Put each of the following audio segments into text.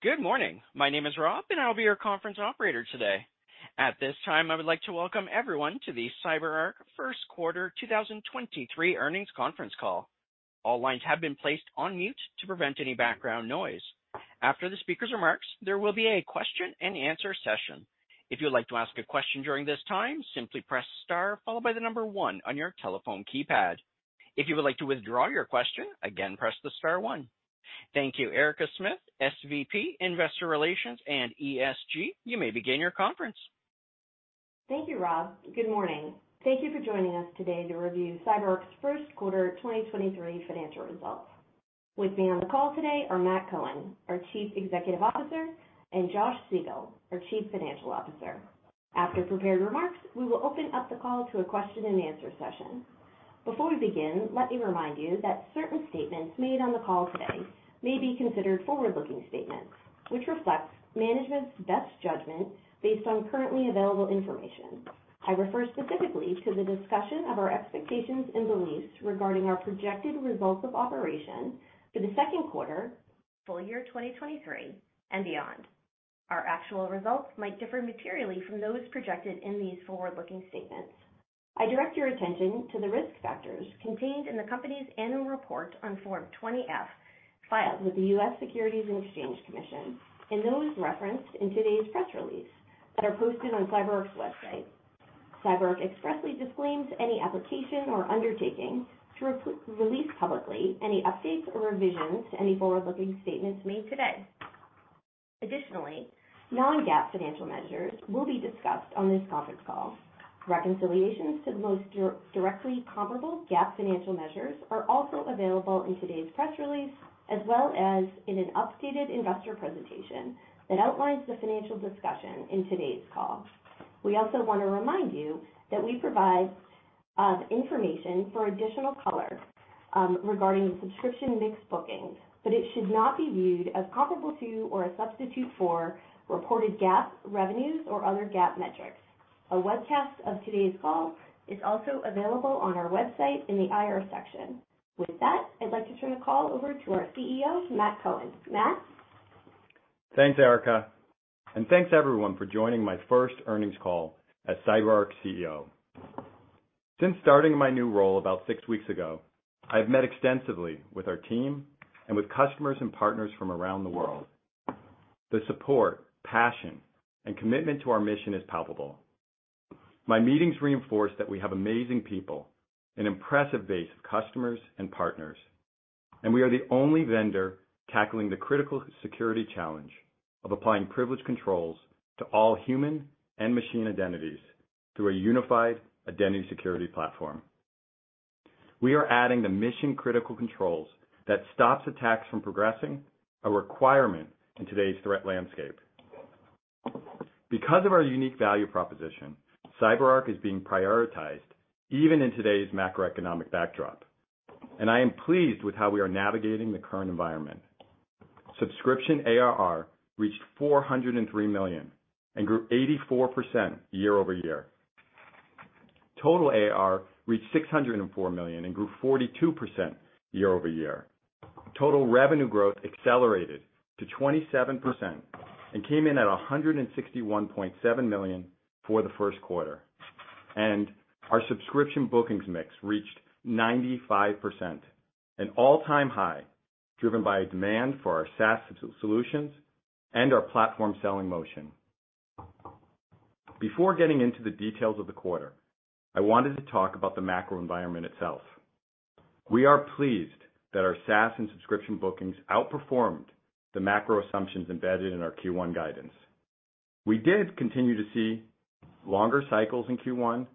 Good morning. My name is Rob, and I will be your conference operator today. At this time, I would like to welcome everyone to the CyberArk First Quarter 2023 earnings conference call. All lines have been placed on mute to prevent any background noise. After the speaker's remarks, there will be a question and answer session. If you'd like to ask a question during this time, simply press Star followed by the number one on your telephone keypad. If you would like to withdraw your question, again, press the Star one. Thank you. Erica Smith, SVP, Investor Relations and ESG, you may begin your conference. Thank you, Rob. Good morning. Thank you for joining us today to review CyberArk's first quarter 2023 financial results. With me on the call today are Matt Cohen, our Chief Executive Officer, and Josh Siegel, our Chief Financial Officer. After prepared remarks, we will open up the call to a question and answer session. Before we begin, let me remind you that certain statements made on the call today may be considered forward-looking statements, which reflects management's best judgment based on currently available information. I refer specifically to the discussion of our expectations and beliefs regarding our projected results of operation for the second quarter, full year 2023 and beyond. Our actual results might differ materially from those projected in these forward-looking statements. I direct your attention to the risk factors contained in the company's Annual Report on Form 20-F filed with the U.S. Securities and Exchange Commission, and those referenced in today's press release that are posted on CyberArk's website. CyberArk expressly disclaims any application or undertaking to release publicly any updates or revisions to any forward-looking statements made today. Additionally, non-GAAP financial measures will be discussed on this conference call. Reconciliations to the most directly comparable GAAP financial measures are also available in today's press release, as well as in an updated investor presentation that outlines the financial discussion in today's call. We also want to remind you that we provide information for additional color regarding subscription mix bookings, but it should not be viewed as comparable to or a substitute for reported GAAP revenues or other GAAP metrics. A webcast of today's call is also available on our website in the IR section. With that, I'd like to turn the call over to our CEO, Matt Cohen. Matt? Thanks, Erica, thanks everyone for joining my first earnings call as CyberArk's CEO. Since starting my new role about six weeks ago, I've met extensively with our team and with customers and partners from around the world. The support, passion, and commitment to our mission is palpable. My meetings reinforce that we have amazing people, an impressive base of customers and partners, and we are the only vendor tackling the critical security challenge of applying privileged controls to all human and machine identities through a unified Identity Security Platform. We are adding the mission-critical controls that stops attacks from progressing, a requirement in today's threat landscape. Because of our unique value proposition, CyberArk is being prioritized even in today's macroeconomic backdrop, and I am pleased with how we are navigating the current environment. Subscription ARR reached $403 million and grew 84% year-over-year. Total ARR reached $604 million and grew 42% year-over-year. Total revenue growth accelerated to 27% and came in at $161.7 million for the first quarter. Our subscription bookings mix reached 95%, an all-time high, driven by a demand for our SaaS solutions and our platform selling motion. Before getting into the details of the quarter, I wanted to talk about the macro environment itself. We are pleased that our SaaS and subscription bookings outperformed the macro assumptions embedded in our Q1 guidance. We did continue to see longer cycles in Q1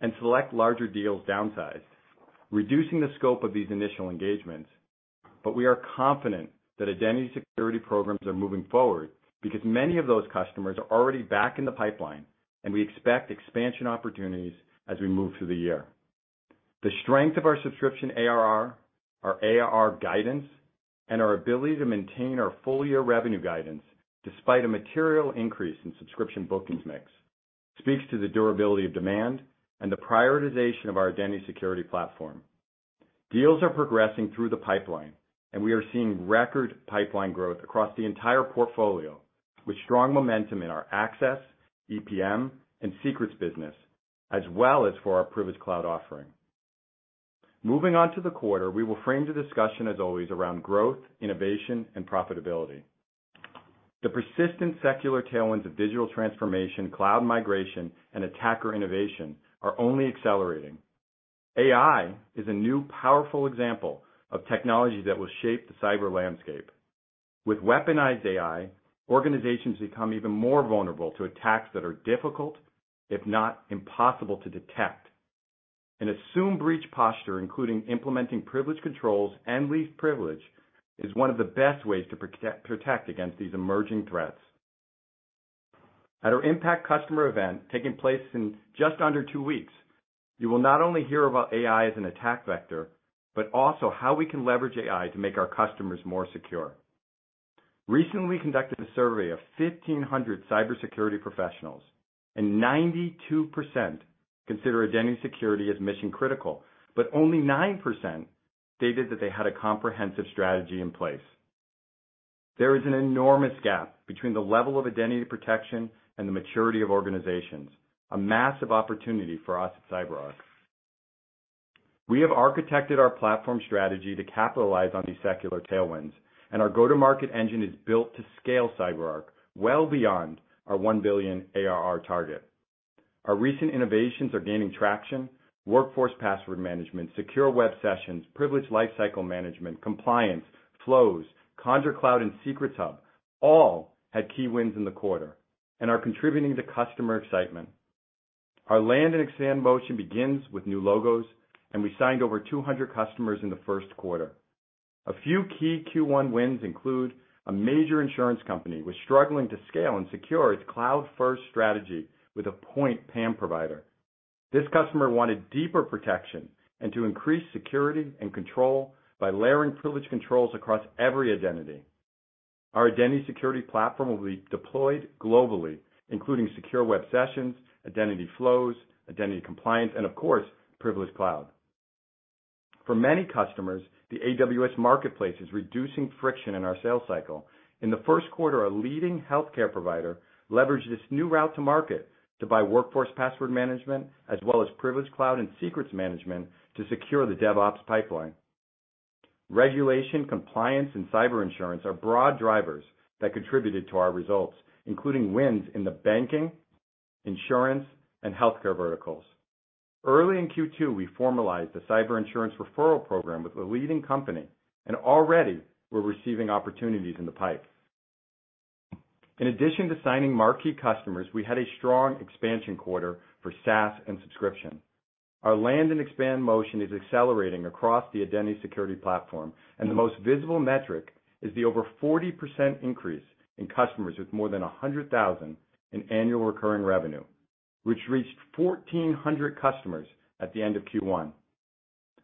and select larger deals downsize, reducing the scope of these initial engagements. We are confident that identity security programs are moving forward because many of those customers are already back in the pipeline, and we expect expansion opportunities as we move through the year. The strength of our subscription ARR, our ARR guidance, and our ability to maintain our full-year revenue guidance despite a material increase in subscription bookings mix speaks to the durability of demand and the prioritization of our Identity Security Platform. Deals are progressing through the pipeline, and we are seeing record pipeline growth across the entire portfolio with strong momentum in our Access, EPM and Secrets business, as well as for our Privilege Cloud offering. Moving on to the quarter, we will frame the discussion as always around growth, innovation and profitability. The persistent secular tailwinds of digital transformation, cloud migration and attacker innovation are only accelerating. AI is a new, powerful example of technology that will shape the cyber landscape. With weaponized AI, organizations become even more vulnerable to attacks that are difficult, if not impossible, to detect. An assume breach posture, including implementing privilege controls and least privilege, is one of the best ways to protect against these emerging threats. At our CyberArk Impact customer event taking place in just under two weeks, you will not only hear about AI as an attack vector, but also how we can leverage AI to make our customers more secure. Recently conducted a survey of 1,500 cybersecurity professionals. 92% consider identity security as mission-critical, but only 9% stated that they had a comprehensive strategy in place. There is an enormous gap between the level of identity protection and the maturity of organizations, a massive opportunity for us at CyberArk. We have architected our platform strategy to capitalize on these secular tailwinds, and our go-to-market engine is built to scale CyberArk well beyond our $1 billion ARR target. Our recent innovations are gaining traction, Workforce Password Management, Secure Web Sessions, Privilege Lifecycle Management, compliance, flows, Conjur Cloud, and Secrets Hub all had key wins in the quarter and are contributing to customer excitement. Our land and expand motion begins with new logos. We signed over 200 customers in the first quarter. A few key Q1 wins include a major insurance company was struggling to scale and secure its cloud-first strategy with a point PAM provider. This customer wanted deeper protection and to increase security and control by layering privilege controls across every identity. Our Identity Security Platform will be deployed globally, including Secure Web Sessions, Identity Flows, Identity Compliance, and of course, Privilege Cloud. For many customers, the AWS Marketplace is reducing friction in our sales cycle. In the first quarter, a leading healthcare provider leveraged this new route to market to buy Workforce Password Management, as well as Privilege Cloud and Secrets Manager to secure the DevOps pipeline. Regulation, compliance, and cyber insurance are broad drivers that contributed to our results, including wins in the banking, insurance, and healthcare verticals. Early in Q2, we formalized the Cyber Insurance Referral program with a leading company, already we're receiving opportunities in the pipe. In addition to signing marquee customers, we had a strong expansion quarter for SaaS and subscription. Our land and expand motion is accelerating across the Identity Security Platform, the most visible metric is the over 40% increase in customers with more than $100,000 in annual recurring revenue, which reached 1,400 customers at the end of Q1.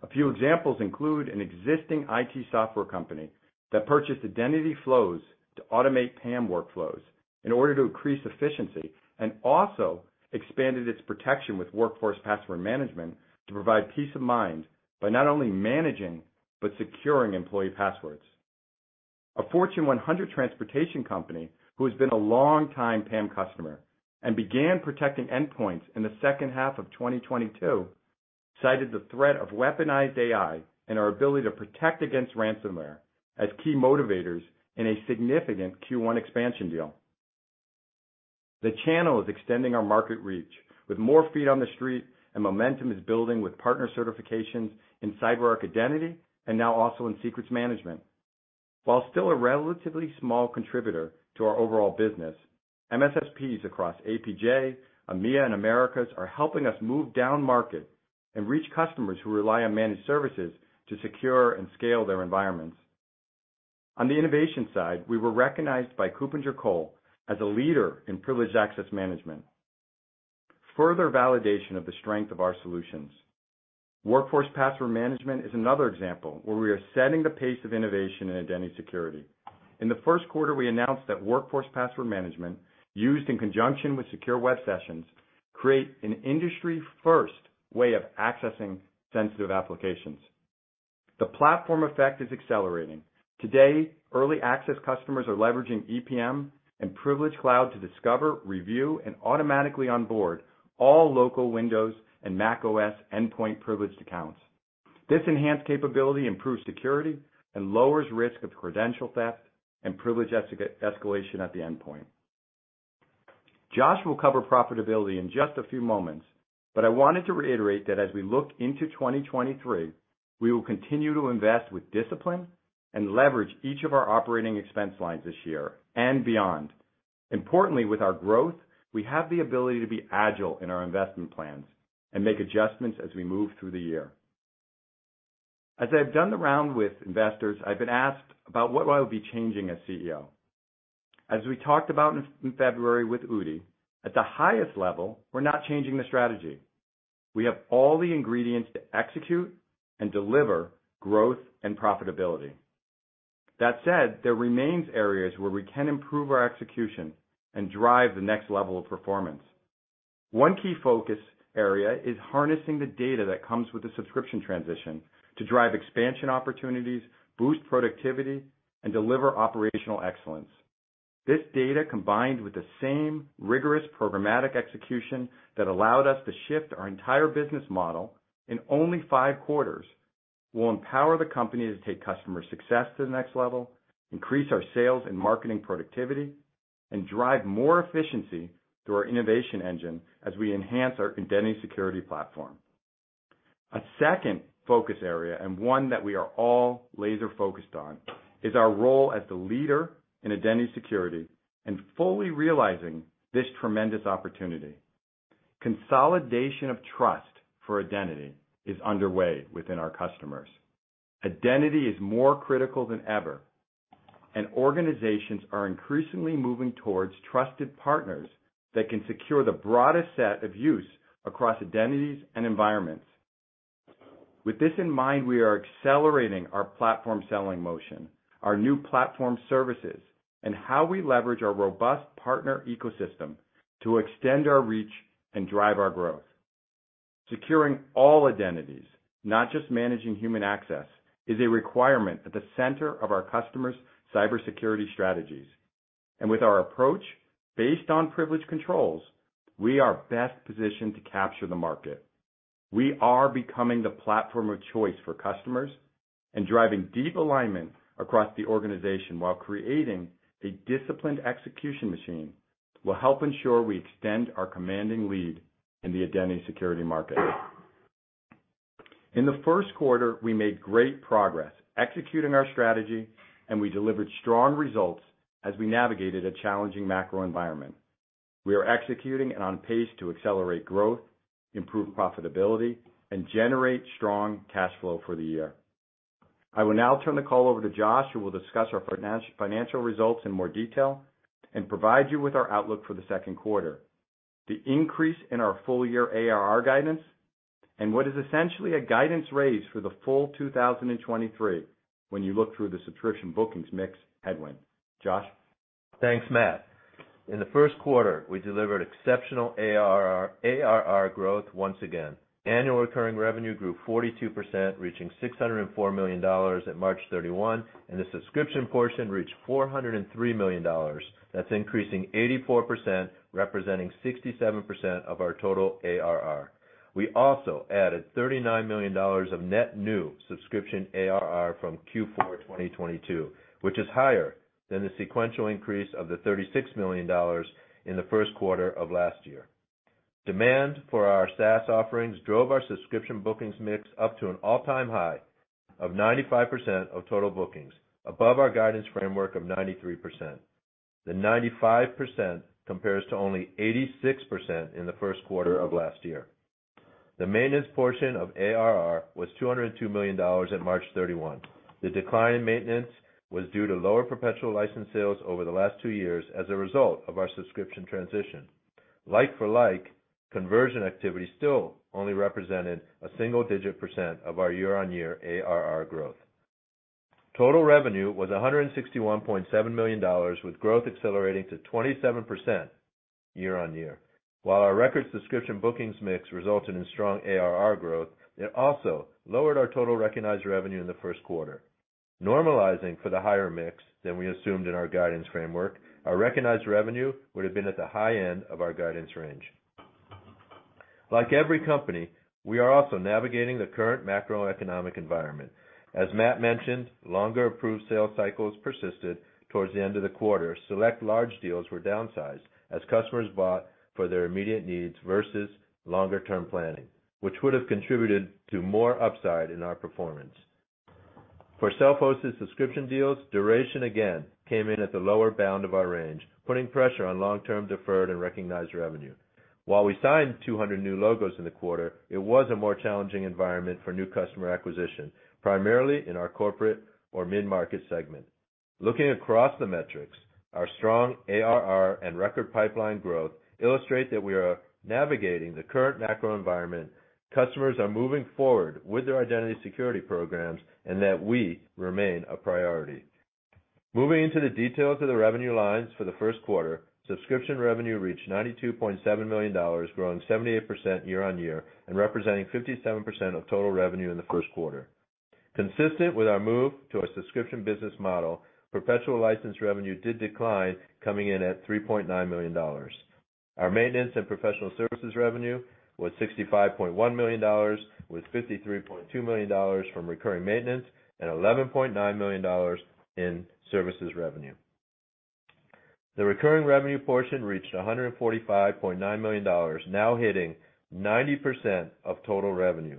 A few examples include an existing IT software company that purchased Identity Flows to automate PAM workflows in order to increase efficiency and also expanded its protection with Workforce Password Management to provide peace of mind by not only managing but securing employee passwords. A Fortune 100 transportation company who has been a long time PAM customer and began protecting endpoints in the second half of 2022 cited the threat of weaponized AI and our ability to protect against ransomware as key motivators in a significant Q1 expansion deal. The channel is extending our market reach with more feet on the street and momentum is building with partner certifications in CyberArk Identity and now also in Secrets Management. While still a relatively small contributor to our overall business, MSSPs across APJ, EMEA, and Americas are helping us move down market and reach customers who rely on managed services to secure and scale their environments. On the innovation side, we were recognized by KuppingerCole as a leader in privileged access management. Further validation of the strength of our solutions. Workforce Password Management is another example where we are setting the pace of innovation in identity security. In the first quarter, we announced that Workforce Password Management, used in conjunction with Secure Web Sessions, create an industry-first way of accessing sensitive applications. The platform effect is accelerating. Today, early access customers are leveraging EPM and Privilege Cloud to discover, review, and automatically onboard all local Windows and macOS endpoint privileged accounts. This enhanced capability improves security and lowers risk of credential theft and privilege escalation at the endpoint. Josh will cover profitability in just a few moments, but I wanted to reiterate that as we look into 2023, we will continue to invest with discipline and leverage each of our operating expense lines this year and beyond. Importantly, with our growth, we have the ability to be agile in our investment plans and make adjustments as we move through the year. As I've done the round with investors, I've been asked about what I will be changing as CEO. As we talked about in February with Udi, at the highest level, we're not changing the strategy. We have all the ingredients to execute and deliver growth and profitability. That said, there remains areas where we can improve our execution and drive the next level of performance. One key focus area is harnessing the data that comes with the subscription transition to drive expansion opportunities, boost productivity, and deliver operational excellence. This data, combined with the same rigorous programmatic execution that allowed us to shift our entire business model in only five quarters, will empower the company to take customer success to the next level, increase our sales and marketing productivity, and drive more efficiency through our innovation engine as we enhance our Identity Security Platform. A second focus area, and one that we are all laser-focused on, is our role as the leader in identity security and fully realizing this tremendous opportunity. Consolidation of trust for identity is underway within our customers. Identity is more critical than ever. Organizations are increasingly moving towards trusted partners that can secure the broadest set of use across identities and environments. With this in mind, we are accelerating our platform selling motion, our new platform services, and how we leverage our robust partner ecosystem to extend our reach and drive our growth. Securing all identities, not just managing human access, is a requirement at the center of our customers' cybersecurity strategies. With our approach based on privilege controls, we are best positioned to capture the market. We are becoming the platform of choice for customers and driving deep alignment across the organization while creating a disciplined execution machine that will help ensure we extend our commanding lead in the identity security market. In the first quarter, we made great progress executing our strategy, and we delivered strong results as we navigated a challenging macro environment. We are executing and on pace to accelerate growth, improve profitability, and generate strong cash flow for the year. I will now turn the call over to Josh, who will discuss our financial results in more detail and provide you with our outlook for the second quarter, the increase in our full-year ARR guidance, and what is essentially a guidance raise for the full 2023 when you look through the subscription bookings mix headwind. Josh? Thanks, Matt. In the first quarter, we delivered exceptional ARR growth once again. Annual recurring revenue grew 42%, reaching $604 million at March 31, 2023, and the subscription portion reached $403 million. That's increasing 84%, representing 67% of our total ARR. We also added $39 million of net new subscription ARR from Q4 2022, which is higher than the sequential increase of the $36 million in the first quarter of last year. Demand for our SaaS offerings drove our subscription bookings mix up to an all-time high of 95% of total bookings, above our guidance framework of 93%. The 95% compares to only 86% in the first quarter of last year. The maintenance portion of ARR was $202 million on March 31 2023. The decline in maintenance was due to lower perpetual license sales over the last two years as a result of our subscription transition. Like-for-like conversion activity still only represented a single-digit % of our year-on-year ARR growth. Total revenue was $161.7 million, with growth accelerating to 27% year-on-year. While our record subscription bookings mix resulted in strong ARR growth, it also lowered our total recognized revenue in the first quarter. Normalizing for the higher mix than we assumed in our guidance framework, our recognized revenue would have been at the high end of our guidance range. Like every company, we are also navigating the current macroeconomic environment. As Matt mentioned, longer approved sales cycles persisted towards the end of the quarter. Select large deals were downsized as customers bought for their immediate needs versus longer-term planning, which would have contributed to more upside in our performance. For self-hosted subscription deals, duration again came in at the lower bound of our range, putting pressure on long-term deferred and recognized revenue. While we signed 200 new logos in the quarter, it was a more challenging environment for new customer acquisition, primarily in our corporate or mid-market segment. Looking across the metrics, our strong ARR and record pipeline growth illustrate that we are navigating the current macro environment, customers are moving forward with their identity security programs, and that we remain a priority. Moving into the detail to the revenue lines for the first quarter, subscription revenue reached $92.7 million, growing 78% year-over-year and representing 57% of total revenue in the first quarter. Consistent with our move to a subscription business model, perpetual license revenue did decline, coming in at $3.9 million. Our maintenance and professional services revenue was $65.1 million, with $53.2 million from recurring maintenance and $11.9 million in services revenue. The recurring revenue portion reached $145.9 million, now hitting 90% of total revenue.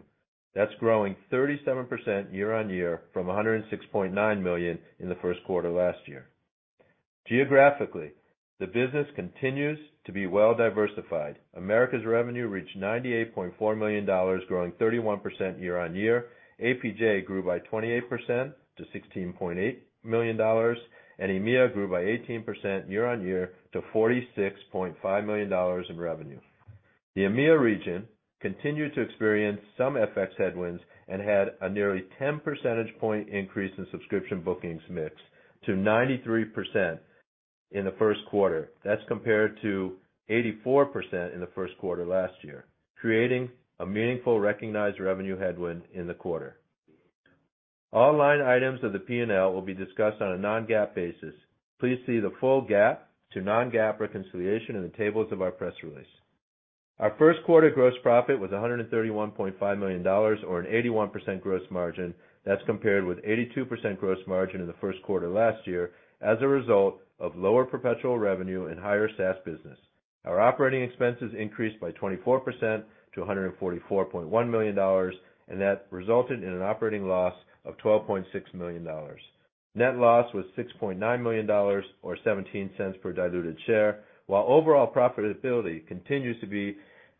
That's growing 37% year-on-year from $106.9 million in the first quarter last year. Geographically, the business continues to be well-diversified. Americas revenue reached $98.4 million, growing 31% year-on-year. APJ grew by 28% to $16.8 million, and EMEA grew by 18% year-on-year to $46.5 million in revenue. The EMEA region continued to experience some FX headwinds and had a nearly 10 percentage point increase in subscription bookings mix to 93% in the first quarter. That's compared to 84% in the first quarter last year, creating a meaningful recognized revenue headwind in the quarter. All line items of the P&L will be discussed on a non-GAAP basis. Please see the full GAAP to non-GAAP reconciliation in the tables of our press release. Our first quarter gross profit was $131.5 million, or an 81% gross margin. That's compared with 82% gross margin in the first quarter last year as a result of lower perpetual revenue and higher SaaS business. Our operating expenses increased by 24% to $144.1 million, that resulted in an operating loss of $12.6 million. Net loss was $6.9 million or $0.17 per diluted share. While overall profitability continues to be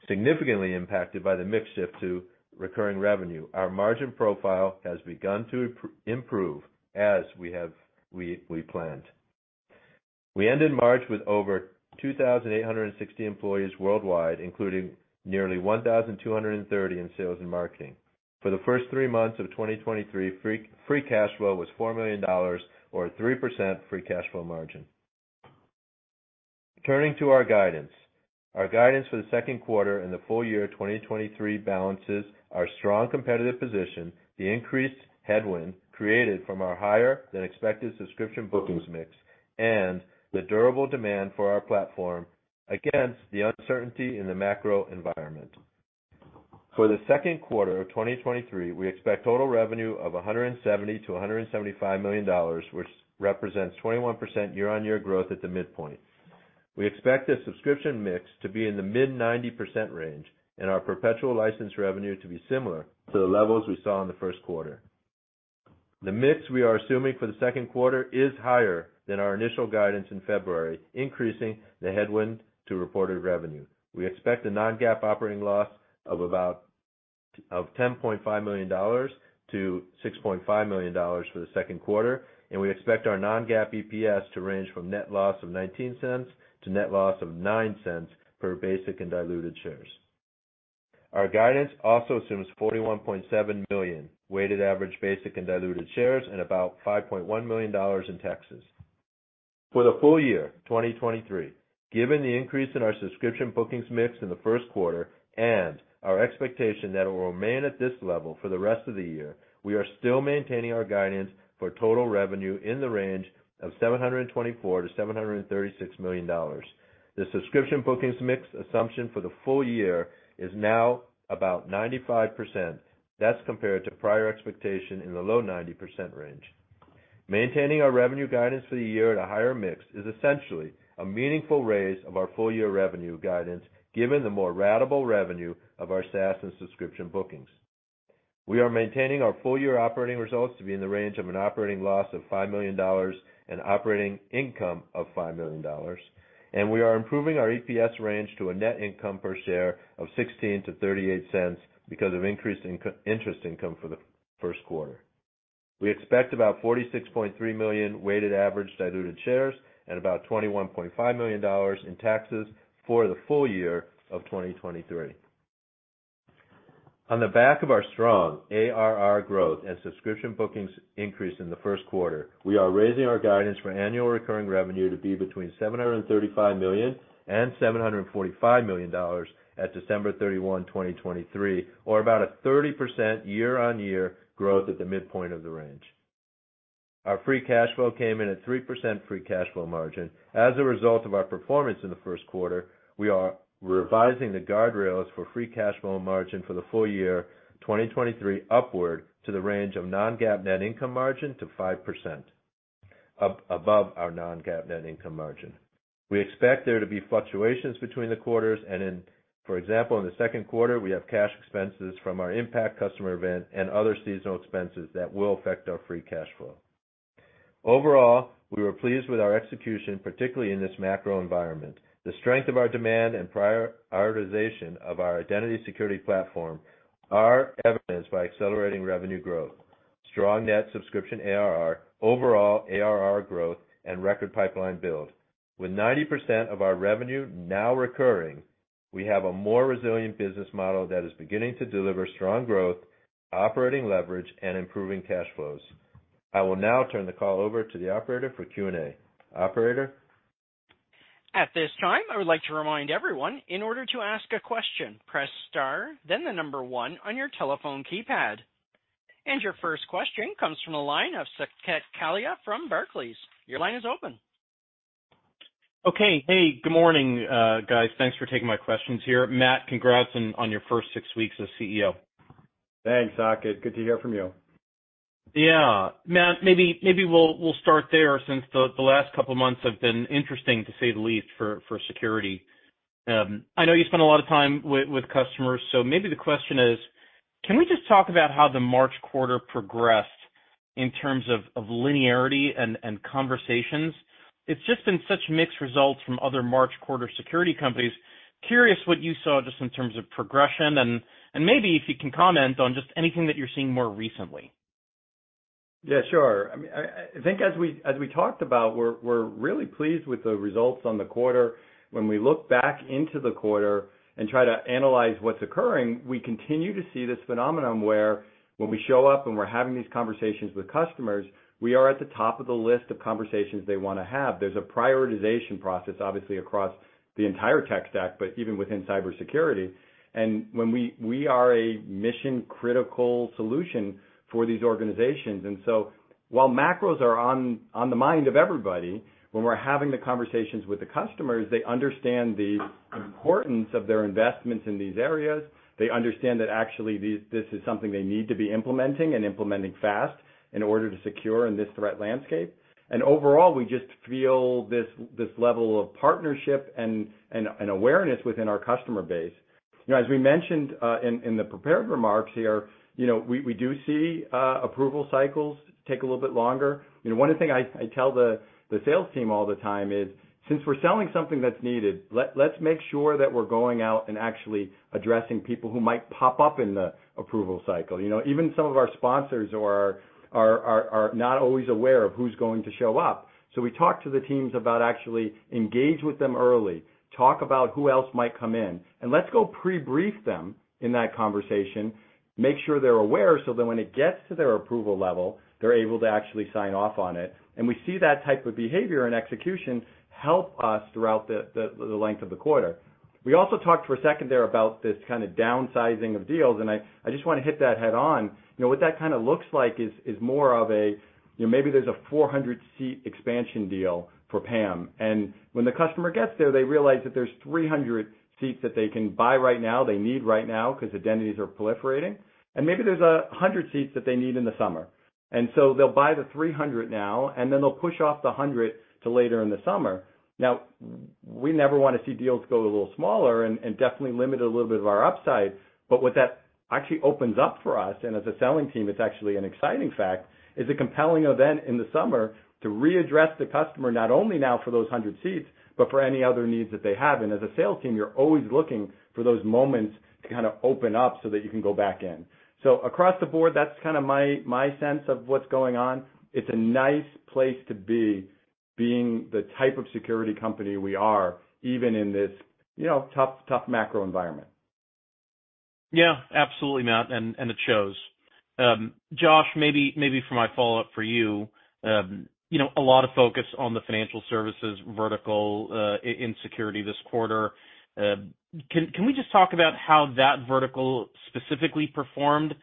significantly impacted by the mix shift to recurring revenue, our margin profile has begun to improve as we planned. We ended March with over 2,860 employees worldwide, including nearly 1,230 in sales and marketing. For the first three months of 2023, free cash flow was $4 million or 3% free cash flow margin. Turning to our guidance. Our guidance for the second quarter and the full year 2023 balances our strong competitive position, the increased headwind created from our higher than expected subscription bookings mix, and the durable demand for our platform against the uncertainty in the macro environment. For the second quarter of 2023, we expect total revenue of $170 million-$175 million, which represents 21% year-on-year growth at the midpoint. We expect the subscription mix to be in the mid-90% range, and our perpetual license revenue to be similar to the levels we saw in the first quarter. The mix we are assuming for the second quarter is higher than our initial guidance in February, increasing the headwind to reported revenue. We expect a non-GAAP operating loss of $10.5 million-$6.5 million for the second quarter, and we expect our non-GAAP EPS to range from net loss of $0.19 to net loss of $0.09 per basic and diluted shares. Our guidance also assumes 41.7 million weighted average basic and diluted shares and about $5.1 million in taxes. For the full year 2023, given the increase in our subscription bookings mix in the first quarter and our expectation that it will remain at this level for the rest of the year, we are still maintaining our guidance for total revenue in the range of $724 million-$736 million. The subscription bookings mix assumption for the full year is now about 95%. That's compared to prior expectation in the low 90% range. Maintaining our revenue guidance for the year at a higher mix is essentially a meaningful raise of our full-year revenue guidance, given the more ratable revenue of our SaaS and subscription bookings. We are maintaining our full-year operating results to be in the range of an operating loss of $5 million and operating income of $5 million. We are improving our EPS range to a net income per share of $0.16-$0.38 because of increased interest income for the first quarter. We expect about 46.3 million weighted average diluted shares and about $21.5 million in taxes for the full year of 2023. On the back of our strong ARR growth and subscription bookings increase in the first quarter, we are raising our guidance for annual recurring revenue to be between $735 million and $745 million at December 31, 2023, or about a 30% year-on-year growth at the midpoint of the range. Our free cash flow came in at 3% free cash flow margin. As a result of our performance in the first quarter, we are revising the guardrails for free cash flow margin for the full year 2023 upward to the range of non-GAAP net income margin to 5%, above our non-GAAP net income margin. We expect there to be fluctuations between the quarters and, for example, in the second quarter, we have cash expenses from our CyberArk Impact customer event and other seasonal expenses that will affect our free cash flow. Overall, we were pleased with our execution, particularly in this macro environment. The strength of our demand and prioritization of our Identity Security Platform are evidenced by accelerating revenue growth, strong net subscription ARR, overall ARR growth, and record pipeline build. With 90% of our revenue now recurring, we have a more resilient business model that is beginning to deliver strong growth, operating leverage, and improving cash flows. I will now turn the call over to the operator for Q&A. Operator? At this time, I would like to remind everyone, in order to ask a question, press star then 1 on your telephone keypad. Your first question comes from the line of Saket Kalia from Barclays. Your line is open. Okay. Hey, good morning, guys. Thanks for taking my questions here. Matt, congrats on your first six weeks as CEO. Thanks, Saket. Good to hear from you. Yeah. Matt, maybe we'll start there since the last couple of months have been interesting, to say the least, for security. I know you spend a lot of time with customers, so maybe the question is: Can we just talk about how the March quarter progressed in terms of linearity and conversations? It's just been such mixed results from other March quarter security companies. Curious what you saw just in terms of progression and maybe if you can comment on just anything that you're seeing more recently. Yeah, sure. I mean, I think as we talked about, we're really pleased with the results on the quarter. When we look back into the quarter and try to analyze what's occurring, we continue to see this phenomenon where when we show up and we're having these conversations with customers, we are at the top of the list of conversations they wanna have. There's a prioritization process, obviously, across the entire tech stack, but even within cybersecurity. We are a mission-critical solution for these organizations. While macros are on the mind of everybody, when we're having the conversations with the customers, they understand the importance of their investments in these areas. They understand that actually this is something they need to be implementing and implementing fast in order to secure in this threat landscape. Overall, we just feel this level of partnership and awareness within our customer base. You know, as we mentioned, in the prepared remarks here, you know, we do see approval cycles take a little bit longer. You know, one of the thing I tell the sales team all the time. Since we're selling something that's needed, let's make sure that we're going out and actually addressing people who might pop up in the approval cycle. You know, even some of our sponsors or are not always aware of who's going to show up. We talk to the teams about actually engage with them early, talk about who else might come in, and let's go pre-brief them in that conversation, make sure they're aware so that when it gets to their approval level, they're able to actually sign off on it. We see that type of behavior and execution help us throughout the length of the quarter. We also talked for a second there about this kinda downsizing of deals, and I just wanna hit that head on. You know, what that kinda looks like is more of a, you know, maybe there's a 400 seat expansion deal for PAM, and when the customer gets there, they realize that there's 300 seats that they can buy right now, they need right now, because identities are proliferating, and maybe there's 100 seats that they need in the summer. So they'll buy the 300 now, and then they'll push off the 100 to later in the summer. We never wanna see deals go a little smaller and definitely limit a little bit of our upside, but what that actually opens up for us, and as a selling team, it's actually an exciting fact, is a compelling event in the summer to re-address the customer not only now for those 100 seats, but for any other needs that they have. As a sales team, you're always looking for those moments to kinda open up so that you can go back in. Across the board, that's kinda my sense of what's going on. It's a nice place to be, being the type of security company we are, even in this, you know, tough macro environment. Yeah, absolutely, Matt, and it shows. Josh, maybe for my follow-up for you. You know, a lot of focus on the financial services vertical, in security this quarter. Can we just talk about how that vertical specifically performed?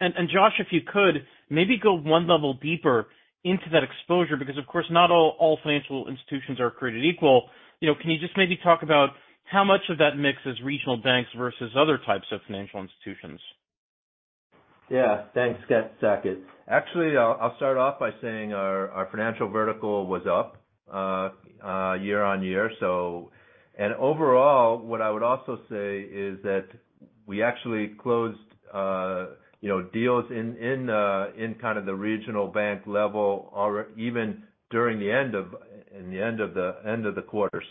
And Josh, if you could, maybe go one level deeper into that exposure, because of course, not all financial institutions are created equal. You know, can you just maybe talk about how much of that mix is regional banks versus other types of financial institutions? Yeah. Thanks, Saket. Actually, I'll start off by saying our financial vertical was up year-over-year, so. Overall, what I would also say is that we actually closed, you know, deals in kind of the regional bank level or even during the end of the quarter.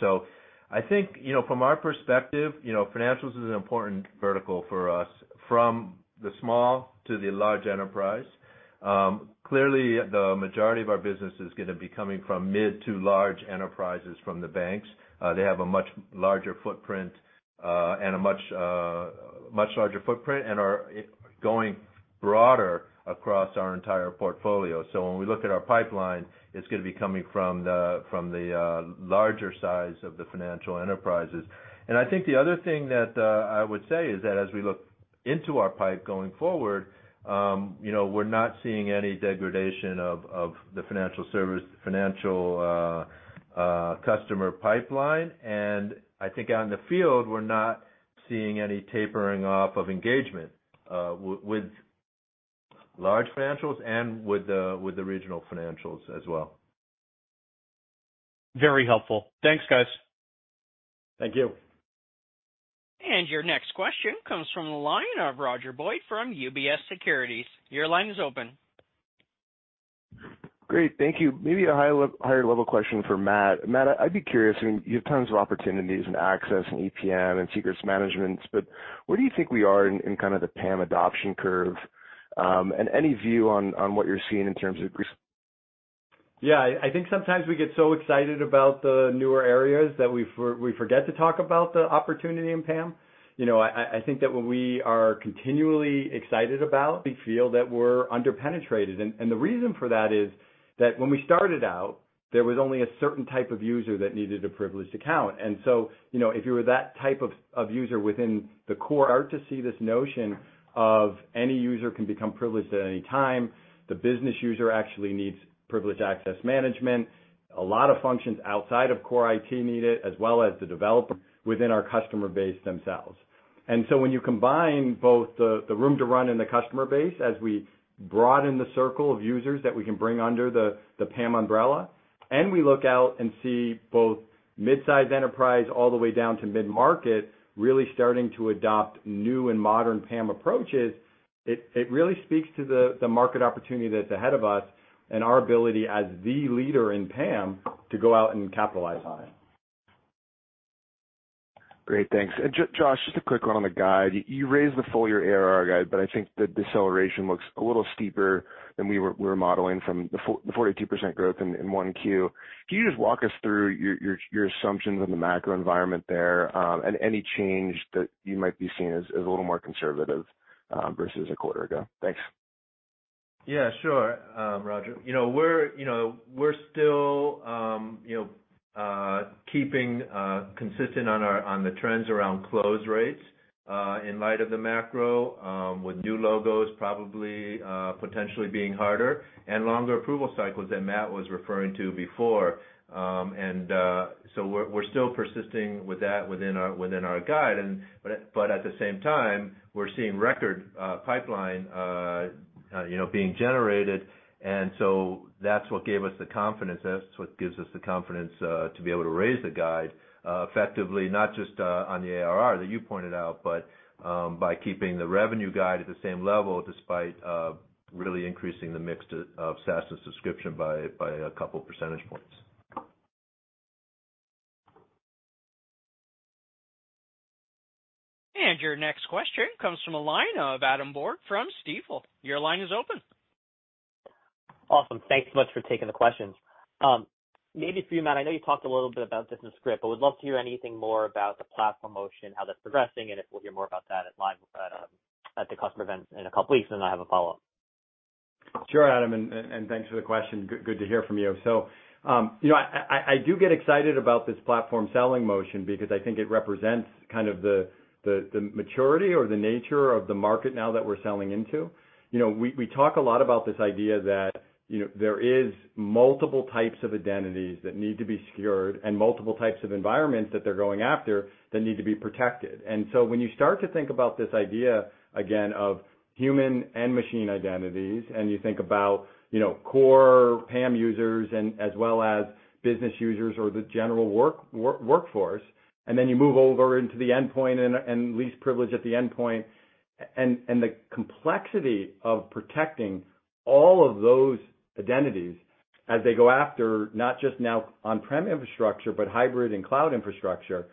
I think, you know, from our perspective, you know, financials is an important vertical for us from the small to the large enterprise. Clearly, the majority of our business is going to be coming from mid to large enterprises from the banks. They have a much larger footprint and are going broader across our entire portfolio. When we look at our pipeline, it's gonna be coming from the larger size of the financial enterprises. I think the other thing that I would say is that as we look into our pipe going forward, you know, we're not seeing any degradation of the financial customer pipeline. I think out in the field, we're not seeing any tapering off of engagement with large financials and with the regional financials as well. Very helpful. Thanks, guys. Thank you. Your next question comes from the line of Roger Boyd from UBS Securities. Your line is open. Great. Thank you. Maybe a higher level question for Matt. Matt, I'd be curious, I mean, you have tons of opportunities in access and EPM and Secrets Management, but where do you think we are in kind of the PAM adoption curve? Any view on what you're seeing in terms of. Yeah. I think sometimes we get so excited about the newer areas that we forget to talk about the opportunity in PAM. You know, I think that what we are continually excited about, we feel that we're under-penetrated. The reason for that is that when we started out, there was only a certain type of user that needed a privileged account. If you were that type of user within the core, hard to see this notion of any user can become privileged at any time. The business user actually needs privileged access management. A lot of functions outside of core IT need it, as well as the developer within our customer base themselves. When you combine both the room to run in the customer base as we broaden the circle of users that we can bring under the PAM umbrella, and we look out and see both midsize enterprise all the way down to mid-market really starting to adopt new and modern PAM approaches, it really speaks to the market opportunity that's ahead of us and our ability as the leader in PAM to go out and capitalize on it. Great. Thanks. Josh, just a quick one on the guide. You raised the full year ARR guide, but I think the deceleration looks a little steeper than we were modeling from the 42% growth in 1Q. Can you just walk us through your assumptions on the macro environment there, and any change that you might be seeing as a little more conservative, versus a quarter ago? Thanks. Yeah, sure, Roger. You know, we're, you know, we're still, you know, keeping consistent on the trends around close rates in light of the macro, with new logos probably potentially being harder and longer approval cycles that Matt was referring to before. So we're still persisting with that within our guide. At the same time, we're seeing record pipeline, you know, being generated, and so that's what gave us the confidence. That's what gives us the confidence to be able to raise the guide effectively, not just on the ARR that you pointed out, but by keeping the revenue guide at the same level despite really increasing the mix of SaaS and subscription by a couple percentage points. Your next question comes from a line of Adam Borg from Stifel. Your line is open. Awesome. Thanks so much for taking the questions. Maybe for you, Matt, I know you talked a little bit about business script, but would love to hear anything more about the platform motion, how that's progressing, and if we'll hear more about that at the customer event in a couple weeks? I have a follow-up. Sure, Adam, thanks for the question. Good to hear from you. You know, I do get excited about this platform selling motion because I think it represents kind of the maturity or the nature of the market now that we're selling into. You know, we talk a lot about this idea that, you know, there is multiple types of identities that need to be secured and multiple types of environments that they're going after that need to be protected. When you start to think about this idea again of human and machine identities, and you think about, you know, core PAM users and as well as business users or the general workforce, and then you move over into the endpoint and least privilege at the endpoint and the complexity of protecting all of those identities as they go after not just now on-prem infrastructure, but hybrid and cloud infrastructure.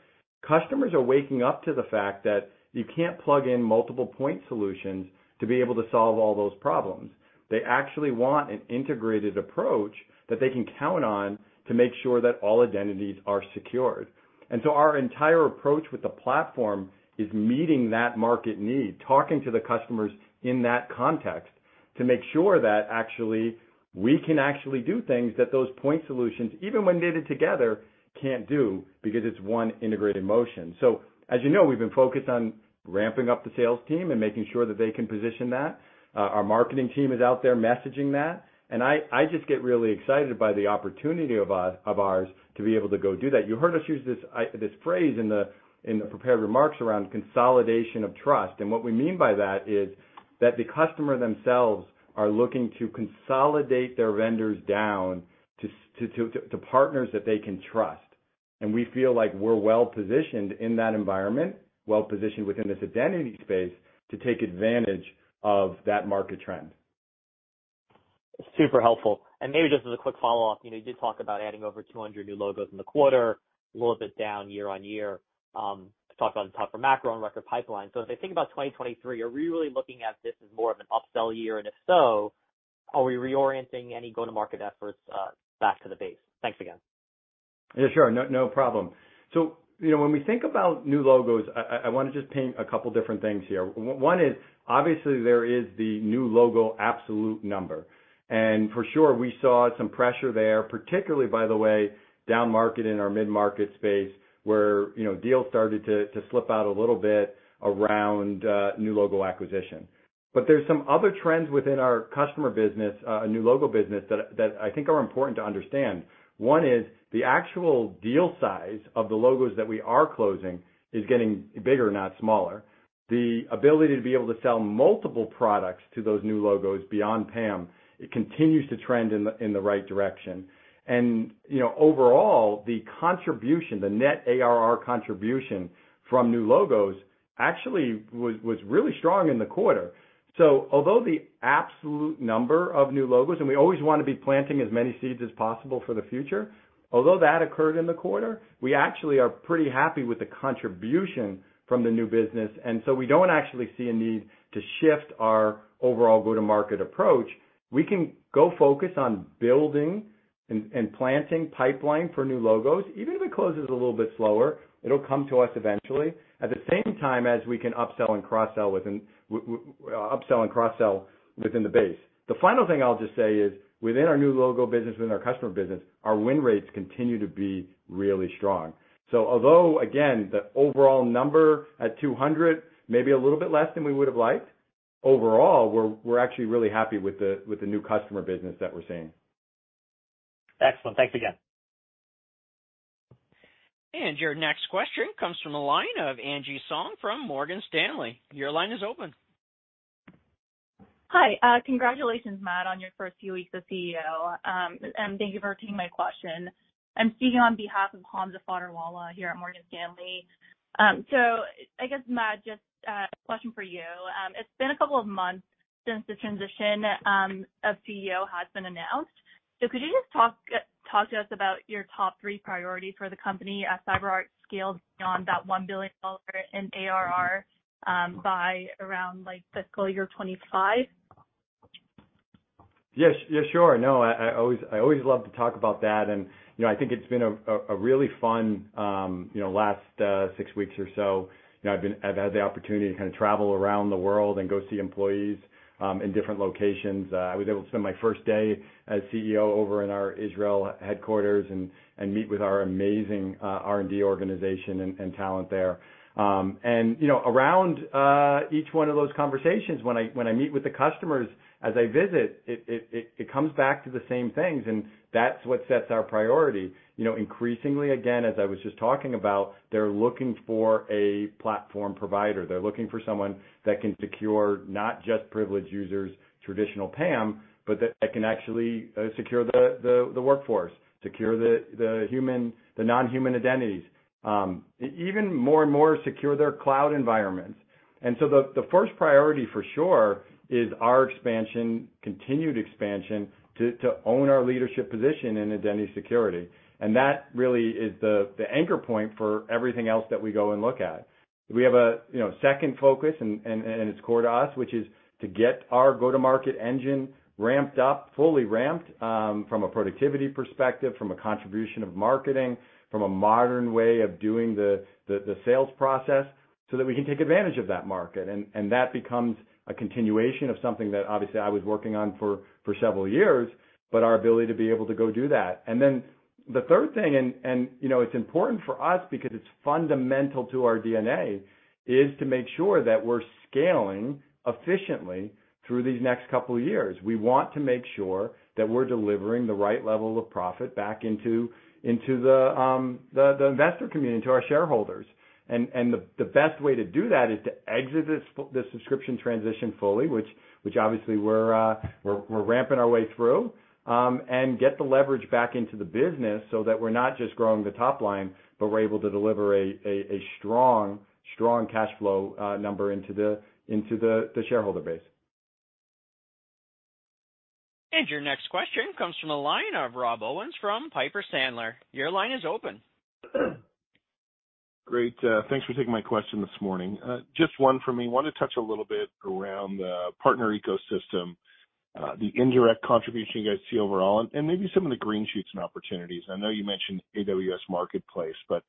Customers are waking up to the fact that you can't plug in multiple point solutions to be able to solve all those problems. They actually want an integrated approach that they can count on to make sure that all identities are secured. Our entire approach with the platform is meeting that market need, talking to the customers in that context to make sure that actually we can actually do things that those point solutions, even when knitted together, can't do because it's one integrated motion. As you know, we've been focused on ramping up the sales team and making sure that they can position that. Our marketing team is out there messaging that, and I just get really excited by the opportunity of ours to be able to go do that. You heard us use this phrase in the prepared remarks around consolidation of trust, and what we mean by that is that the customer themselves are looking to consolidate their vendors down to partners that they can trust. We feel like we're well-positioned in that environment, well-positioned within this identity space to take advantage of that market trend. Super helpful. Maybe just as a quick follow-up, you know, you did talk about adding over 200 new logos in the quarter, a little bit down year-over-year, talked about tougher macro and record pipeline. As I think about 2023, are we really looking at this as more of an upsell year? If so, are we reorienting any go-to-market efforts, back to the base? Thanks again. Yeah, sure. No, no problem. You know, when we think about new logos, I wanna just paint a couple different things here. One is, obviously there is the new logo absolute number. For sure, we saw some pressure there, particularly by the way, downmarket in our mid-market space, where, you know, deals started to slip out a little bit around new logo acquisition. There's some other trends within our customer business, new logo business that I think are important to understand. One is the actual deal size of the logos that we are closing is getting bigger, not smaller. The ability to be able to sell multiple products to those new logos beyond PAM, it continues to trend in the right direction. You know, overall, the contribution, the net ARR contribution from new logos actually was really strong in the quarter. So although the absolute number of new logos, and we always wanna be planting as many seeds as possible for the future, although that occurred in the quarter, we actually are pretty happy with the contribution from the new business, and so we don't actually see a need to shift our overall go-to-market approach. We can go focus on building and planting pipeline for new logos. Even if it closes a little bit slower, it'll come to us eventually. At the same time as we can upsell and cross-sell within upsell and cross-sell within the base. The final thing I'll just say is, within our new logo business, within our customer business, our win rates continue to be really strong. Although, again, the overall number at 200, maybe a little bit less than we would have liked, overall we're actually really happy with the new customer business that we're seeing. Excellent. Thanks again. Your next question comes from the line of Angie Song from Morgan Stanley. Your line is open. Hi. Congratulations, Matt, on your first few weeks as CEO, and thank you for taking my question. I'm speaking on behalf of Hamza Foderwala here at Morgan Stanley. I guess, Matt, just a question for you. It's been a couple of months since the transition of CEO has been announced. Could you just talk to us about your top three priorities for the company as CyberArk scales beyond that $1 billion in ARR by around like fiscal year 2025? Yes. Yeah, sure. No, I always love to talk about that. You know, I think it's been a really fun, you know, last six weeks or so. You know, I've had the opportunity to kinda travel around the world and go see employees in different locations. I was able to spend my first day as CEO over in our Israel headquarters and meet with our amazing R&D organization and talent there. You know, around each one of those conversations, when I meet with the customers as I visit, it comes back to the same things, and that's what sets our priority. You know, increasingly, again, as I was just talking about, they're looking for a platform provider. They're looking for someone that can secure not just privileged users, traditional PAM, but that can actually secure the workforce, secure the non-human identities. Even more and more secure their cloud environments. The first priority for sure is our expansion, continued expansion to own our leadership position in identity security. That really is the anchor point for everything else that we go and look at. We have a, you know, second focus and it's core to us, which is to get our go-to-market engine ramped up, fully ramped, from a productivity perspective, from a contribution of marketing, from a modern way of doing the sales process so that we can take advantage of that market. That becomes a continuation of something that obviously I was working on for several years, but our ability to be able to go do that. Then the third thing, and, you know, it's important for us because it's fundamental to our DNA, is to make sure that we're scaling efficiently through these next couple of years. We want to make sure that we're delivering the right level of profit back into the investor community, to our shareholders. The best way to do that is to exit this subscription transition fully, which obviously we're ramping our way through, and get the leverage back into the business so that we're not just growing the top line, but we're able to deliver a strong cash flow number into the shareholder base. Your next question comes from the line of Rob Owens from Piper Sandler. Your line is open. Great. Thanks for taking my question this morning. Just one for me. Wanted to touch a little bit around the partner ecosystem, the indirect contribution you guys see overall and maybe some of the green shoots and opportunities. I know you mentioned AWS Marketplace, but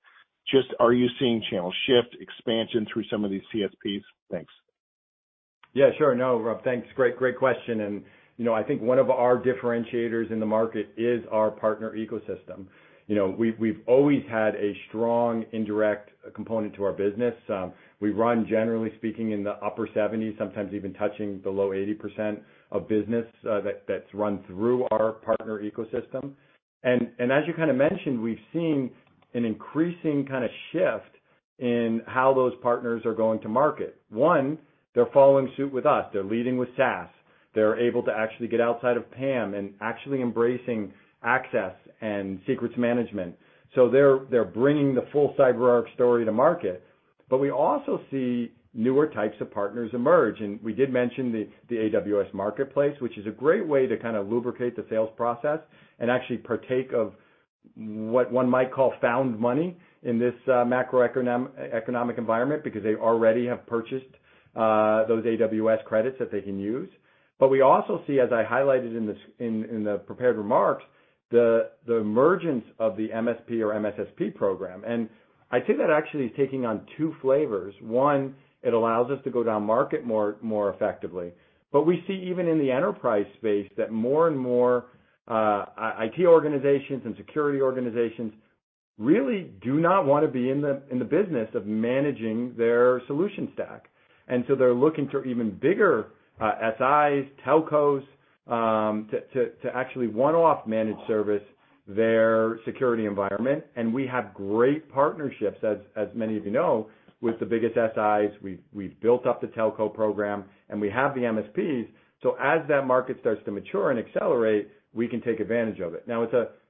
just are you seeing channel shift expansion through some of these CSPs? Thanks. Yeah, sure. No, Rob, thanks. Great, great question. You know, I think one of our differentiators in the market is our partner ecosystem. You know, we've always had a strong indirect component to our business. We run, generally speaking, in the upper 70, sometimes even touching the low 80% of business that's run through our partner ecosystem. As you kinda mentioned, we've seen an increasing kinda shift in how those partners are going to market. One, they're following suit with us. They're leading with SaaS. They're able to actually get outside of PAM and actually embracing access and secrets management. They're bringing the full CyberArk story to market. We also see newer types of partners emerge, and we did mention the AWS Marketplace, which is a great way to kinda lubricate the sales process and actually partake of what one might call found money in this macroeconomic, economic environment because they already have purchased those AWS credits that they can use. We also see, as I highlighted in the prepared remarks, the emergence of the MSP or MSSP program. I think that actually is taking on two flavors. One, it allows us to go down market more effectively. We see even in the enterprise space that more and more IT organizations and security organizations really do not wanna be in the business of managing their solution stack. They're looking to even bigger SIs, telcos, to actually one-off manage service their security environment. We have great partnerships, as many of you know, with the biggest SIs. We've built up the telco program, and we have the MSPs. As that market starts to mature and accelerate, we can take advantage of it.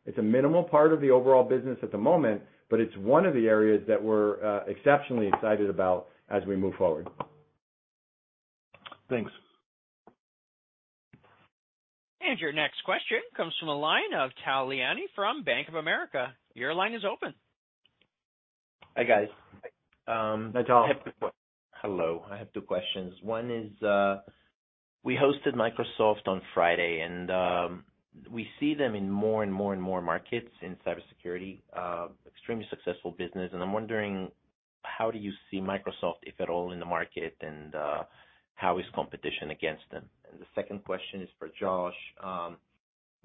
It's a minimal part of the overall business at the moment, but it's one of the areas that we're exceptionally excited about as we move forward. Thanks. Your next question comes from the line of Tal Liani from Bank of America. Your line is open. Hi, guys. Hi, Tal. Hello. I have two questions. One is, we hosted Microsoft on Friday, and we see them in more and more and more markets in cybersecurity, extremely successful business. I'm wondering how do you see Microsoft, if at all, in the market, and how is competition against them? The second question is for Josh.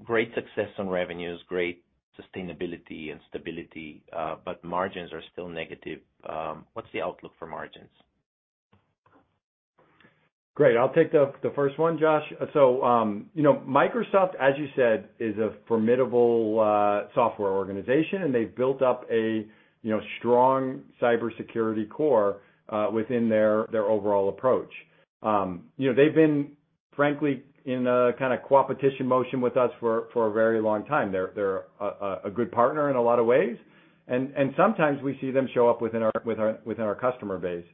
Great success on revenues, great sustainability and stability, but margins are still negative. What's the outlook for margins? Great. I'll take the first one, Josh. you know, Microsoft, as you said, is a formidable software organization, and they've built up a, you know, strong cybersecurity core within their overall approach. you know, they've been frankly in a kinda competition motion with us for a very long time. They're a good partner in a lot of ways. sometimes we see them show up within our customer base.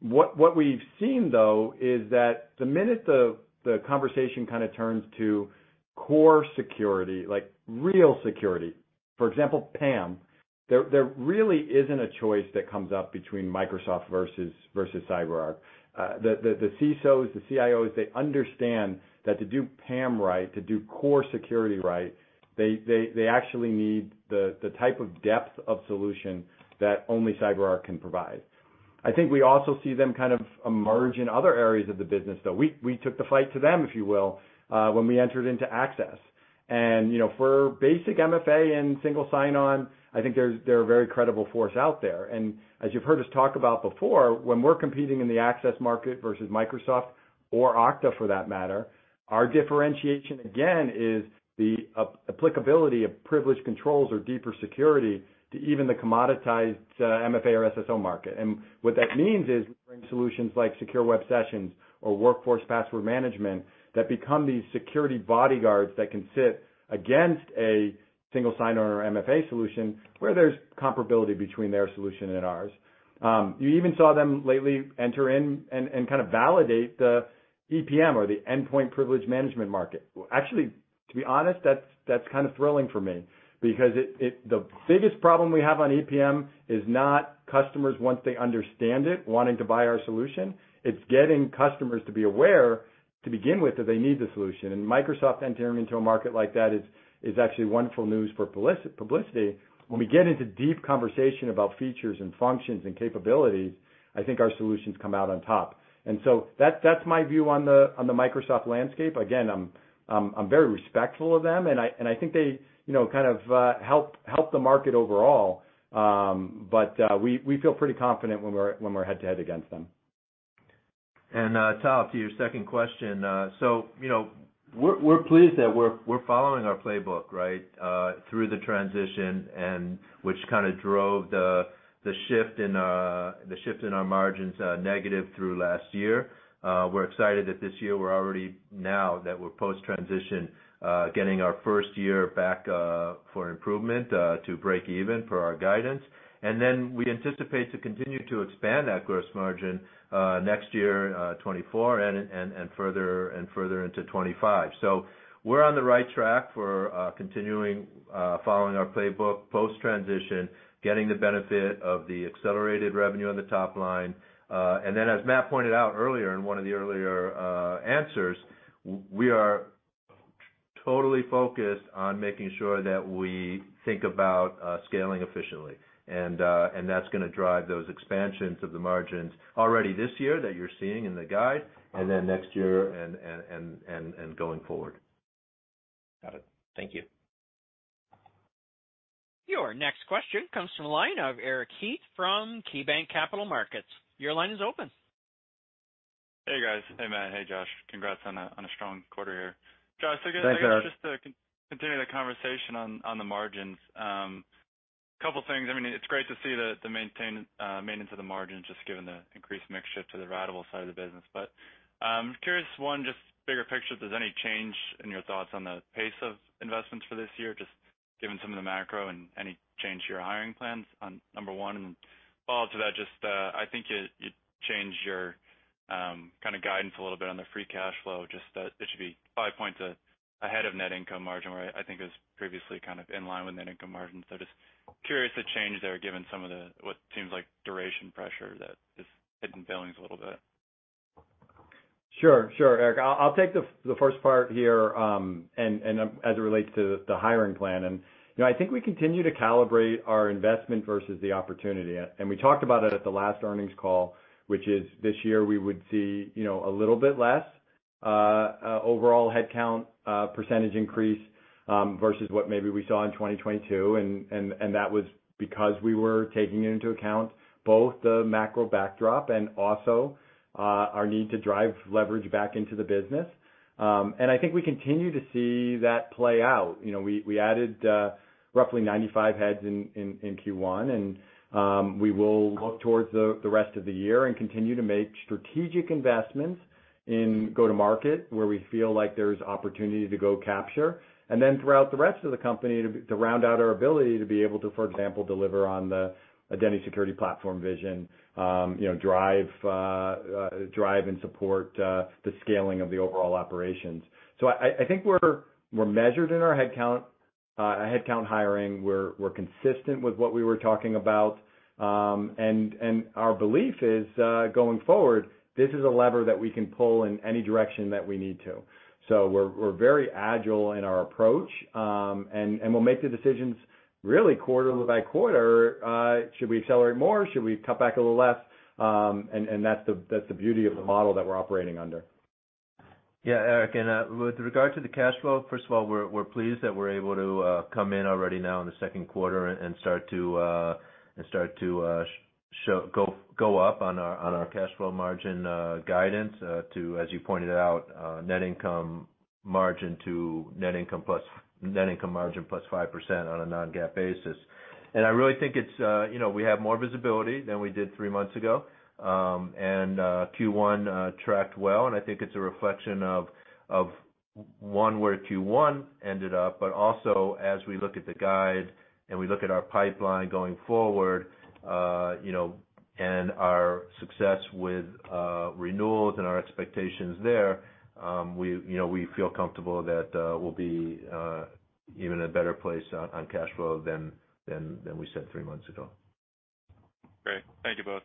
What we've seen though is that the minute the conversation kinda turns to core security, like real security, for example, PAM, there really isn't a choice that comes up between Microsoft versus CyberArk. The CISOs, the CIOs, they understand that to do PAM right, to do core security right, they actually need the type of depth of solution that only CyberArk can provide. I think we also see them kind of emerge in other areas of the business, though. We took the fight to them, if you will, when we entered into access. You know, for basic MFA and single sign-on, I think they're a very credible force out there. As you've heard us talk about before, when we're competing in the access market versus Microsoft or Okta for that matter, our differentiation, again, is the applicability of privileged controls or deeper security to even the commoditized MFA or SSO market. What that means is we bring solutions like Secure Web Sessions or Workforce Password Management that become these security bodyguards that can sit against a single sign-on or MFA solution where there's comparability between their solution and ours. You even saw them lately enter in and kind of validate the EPM or the Endpoint Privilege Management market. Well, actually, to be honest, that's kind of thrilling for me because the biggest problem we have on EPM is not customers once they understand it, wanting to buy our solution, it's getting customers to be aware to begin with that they need the solution. Microsoft entering into a market like that is actually wonderful news for publicity. When we get into deep conversation about features and functions and capabilities, I think our solutions come out on top. That's my view on the Microsoft landscape. Again, I'm very respectful of them, and I think they, you know, kind of, help the market overall. We feel pretty confident when we're head-to-head against them. Tal, to your second question. you know, we're pleased that we're following our playbook, right, through the transition and which kinda drove the shift in our margins negative through last year. we're excited that this year we're already now that we're post-transition, getting our first year back for improvement to break even for our guidance. we anticipate to continue to expand that gross margin next year, 2024 and further into 2025. we're on the right track for continuing following our playbook post-transition, getting the benefit of the accelerated revenue on the top line. as Matt pointed out earlier in one of the earlier answers, we are totally focused on making sure that we think about scaling efficiently. That's gonna drive those expansions of the margins already this year that you're seeing in the guide, and then next year and going forward. Got it. Thank you. Your next question comes from the line of Eric Heath from KeyBanc Capital Markets. Your line is open. Hey, guys. Hey, Matt. Hey, Josh. Congrats on a strong quarter here. Thanks, Eric. Josh, I guess just to continue the conversation on the margins. couple things. I mean, it's great to see the maintenance of the margins just given the increased mix shift to the ratable side of the business. But, curious one, just bigger picture if there's any change in your thoughts on the pace of investments for this year, just given some of the macro and any change to your hiring plans on number one. And then follow up to that, just, I think you changed your kind of guidance a little bit on the free cash flow, just that it should be 5 points ahead of net income margin, where I think it was previously kind of in line with net income margin. just curious the change there given some of the what seems like duration pressure that is hitting billings a little bit. Sure, Eric. I'll take the first part here, as it relates to the hiring plan. You know, I think we continue to calibrate our investment versus the opportunity. And we talked about it at the last earnings call, which is this year we would see, you know, a little bit less overall headcount percentage increase versus what maybe we saw in 2022. That was because we were taking into account both the macro backdrop and also our need to drive leverage back into the business. I think we continue to see that play out. You know, we added roughly 95 heads in Q1. We will look towards the rest of the year and continue to make strategic investments in go-to-market, where we feel like there's opportunity to go capture. Throughout the rest of the company to round out our ability to be able to, for example, deliver on the Identity Security Platform vision, you know, drive and support the scaling of the overall operations. I think we're measured in our headcount hiring. We're consistent with what we were talking about. And our belief is, going forward, this is a lever that we can pull in any direction that we need to. We're very agile in our approach. We'll make the decisions really quarter by quarter, should we accelerate more? Should we cut back a little less? That's the beauty of the model that we're operating under. Eric, with regard to the cash flow, first of all, we're pleased that we're able to come in already now in the second quarter and start to go up on our cash flow margin guidance to, as you pointed out, net income margin to net income margin plus 5% on a non-GAAP basis. I really think it's, you know, we have more visibility than we did three months ago. Q1 tracked well, and I think it's a reflection of one, where Q1 ended up, but also as we look at the guide and we look at our pipeline going forward, you know, and our success with renewals and our expectations there, we, you know, we feel comfortable that, we'll be even in a better place on cash flow than we said three months ago. Great. Thank you both.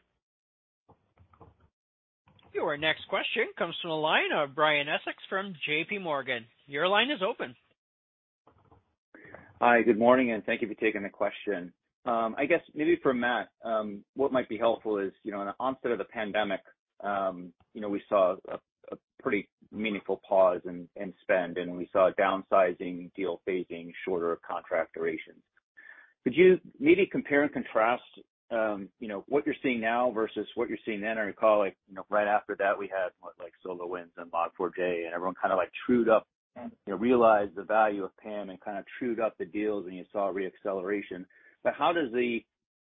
Your next question comes from the line of Brian Essex from JPMorgan. Your line is open. Hi, good morning, and thank you for taking the question. I guess maybe for Matt, what might be helpful is, you know, in the onset of the pandemic, you know, we saw a pretty meaningful pause in spend, and we saw downsizing, deal phasing, shorter contract durations. Could you maybe compare and contrast, you know, what you're seeing now versus what you're seeing then? I recall, like, you know, right after that, we had, what, like, SolarWinds and Log4j, and everyone kinda, like, trued up, you know, realized the value of PAM and kinda trued up the deals, and you saw re-acceleration. How does the,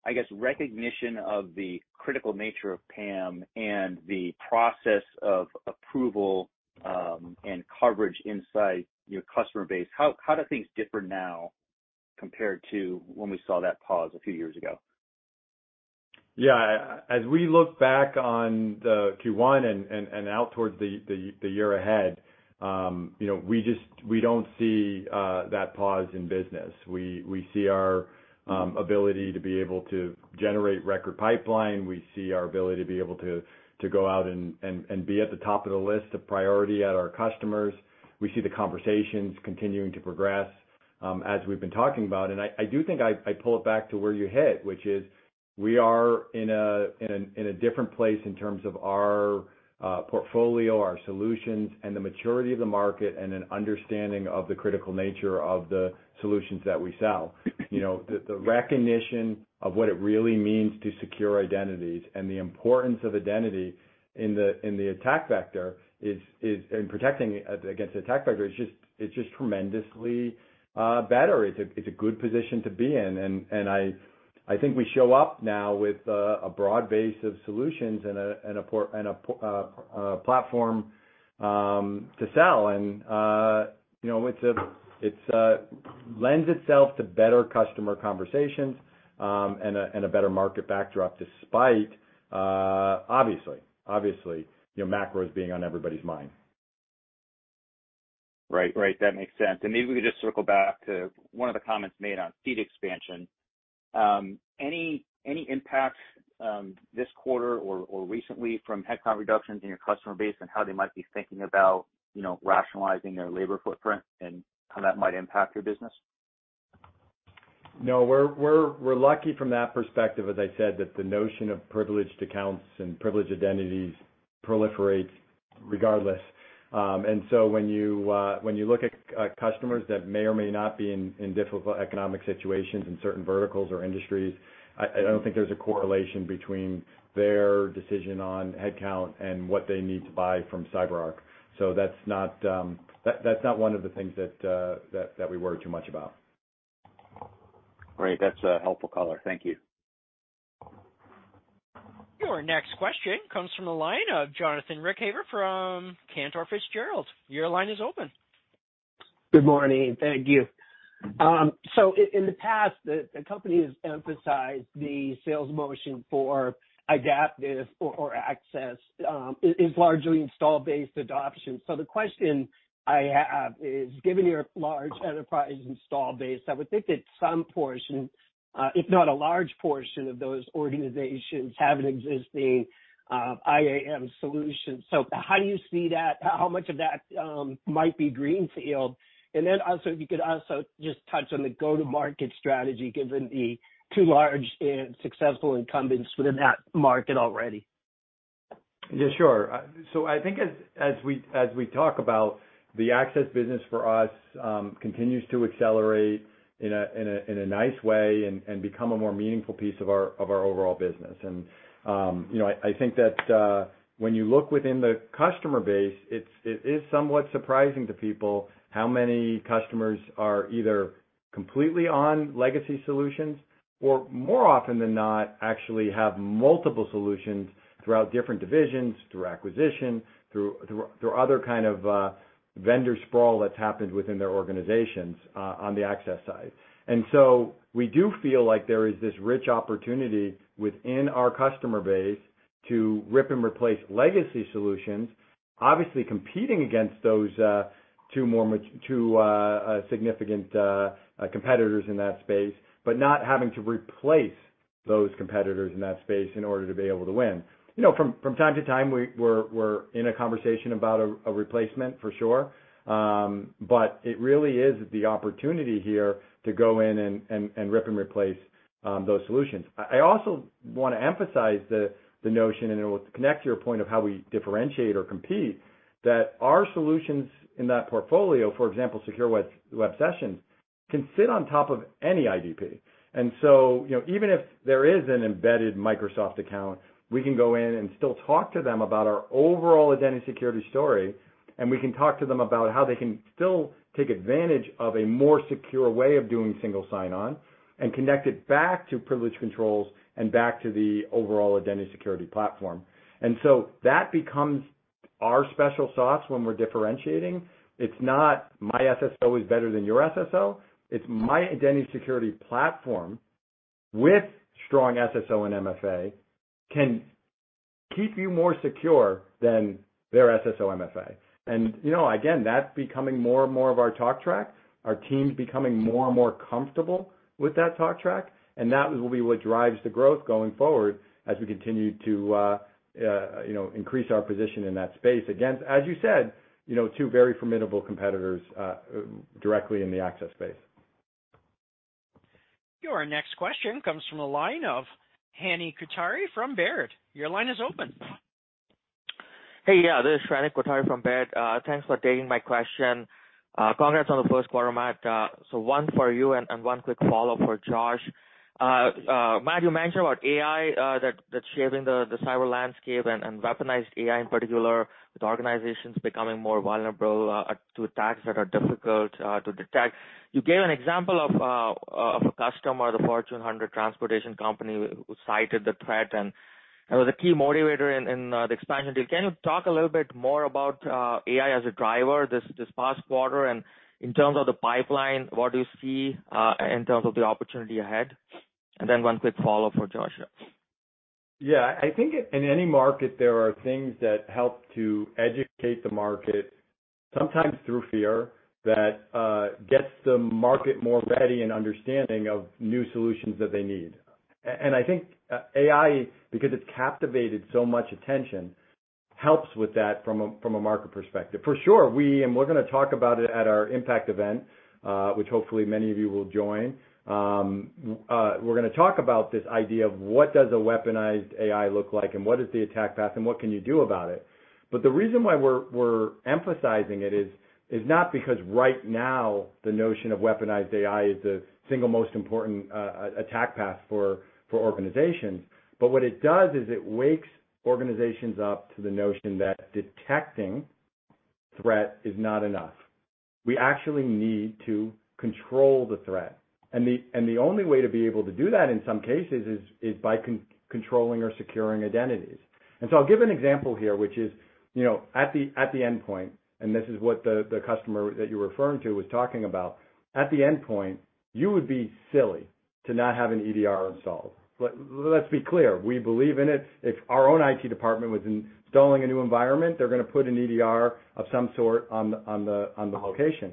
I guess, recognition of the critical nature of PAM and the process of approval, and coverage inside your customer base, how do things differ now compared to when we saw that pause a few years ago? Yeah. As we look back on the Q1 and out towards the year ahead, you know, we don't see that pause in business. We see our ability to be able to generate record pipeline. We see our ability to be able to go out and be at the top of the list of priority at our customers. We see the conversations continuing to progress, as we've been talking about. I do think I pull it back to where you hit, which is we are in a different place in terms of our portfolio, our solutions, and the maturity of the market and an understanding of the critical nature of the solutions that we sell. You know, the recognition of what it really means to secure identities and the importance of identity in the attack vector is in protecting against attack vector is just, it's just tremendously better. It's a good position to be in. I think we show up now with a broad base of solutions and a platform to sell. You know, it's lends itself to better customer conversations and a better market backdrop despite obviously, you know, macros being on everybody's mind. Right. That makes sense. Maybe we could just circle back to one of the comments made on seat expansion. Any impact this quarter or recently from headcount reductions in your customer base and how they might be thinking about, you know, rationalizing their labor footprint and how that might impact your business? No. We're lucky from that perspective, as I said, that the notion of privileged accounts and privileged identities proliferates regardless. When you look at customers that may or may not be in difficult economic situations in certain verticals or industries, I don't think there's a correlation between their decision on headcount and what they need to buy from CyberArk. That's not one of the things that we worry too much about. Great. That's a helpful color. Thank you. Your next question comes from the line of Jonathan Ruykhaver from Cantor Fitzgerald. Your line is open. Good morning. Thank you. In the past, the company has emphasized the sales motion for adaptive or access is largely install-based adoption. The question I have is given your large enterprise install base, I would think that some portion, if not a large portion of those organizations have an existing IAM solution. How do you see that? How much of that might be greenfield? Also, if you could also just touch on the go-to-market strategy given the two large and successful incumbents within that market already. Yeah, sure. I think as we talk about the access business for us, continues to accelerate in a nice way and become a more meaningful piece of our overall business. You know, I think that when you look within the customer base, it is somewhat surprising to people how many customers are either completely on legacy solutions or more often than not actually have multiple solutions throughout different divisions, through acquisition, through other kind of vendor sprawl that's happened within their organizations on the access side. We do feel like there is this rich opportunity within our customer base to rip and replace legacy solutions, obviously competing against those two significant competitors in that space, but not having to replace those competitors in that space in order to be able to win. You know, from time to time, we're in a conversation about a replacement for sure. But it really is the opportunity here to go in and rip and replace those solutions. I also wanna emphasize the notion, and it will connect to your point of how we differentiate or compete, that our solutions in that portfolio, for example, Secure Web Sessions, can sit on top of any IdP. You know, even if there is an embedded Microsoft account, we can go in and still talk to them about our overall identity security story, and we can talk to them about how they can still take advantage of a more secure way of doing single sign-on and connect it back to privilege controls and back to the overall Identity Security Platform. That becomes our special sauce when we're differentiating. It's not my SSO is better than your SSO. It's my Identity Security Platform with strong SSO and MFA can keep you more secure than their SSO MFA. You know, again, that's becoming more and more of our talk track. Our team's becoming more and more comfortable with that talk track, and that will be what drives the growth going forward as we continue to, you know, increase our position in that space. As you said, you know, two very formidable competitors, directly in the access space. Your next question comes from the line of Shrenik Kothari from Stifel. Your line is open. Hey, yeah, this is Shrenik Kothari from Baird. Thanks for taking my question. Congrats on the first quarter, Matt. One for you and one quick follow-up for Josh. Matt, you mentioned about AI that's shaping the cyber landscape and weaponized AI in particular with organizations becoming more vulnerable to attacks that are difficult to detect. You gave an example of a customer, the Fortune 100 transportation company who cited the threat, and it was a key motivator in the expansion deal. Can you talk a little bit more about AI as a driver this past quarter, and in terms of the pipeline, what do you see in terms of the opportunity ahead? Then one quick follow-up for Josh, yeah. Yeah, I think in any market there are things that help to educate the market, sometimes through fear, that gets the market more ready and understanding of new solutions that they need. I think AI, because it's captivated so much attention, helps with that from a, from a market perspective. For sure, we're gonna talk about it at our Impact event, which hopefully many of you will join. We're gonna talk about this idea of what does a weaponized AI look like and what is the attack path and what can you do about it. The reason why we're emphasizing it is not because right now the notion of weaponized AI is the single most important attack path for organizations. What it does is it wakes organizations up to the notion that detecting threat is not enough. We actually need to control the threat. The only way to be able to do that in some cases is by controlling or securing identities. I'll give an example here, which is, you know, at the endpoint, and this is what the customer that you were referring to was talking about. At the endpoint, you would be silly to not have an EDR installed. Let's be clear. We believe in it. If our own IT department was installing a new environment, they're gonna put an EDR of some sort on the location.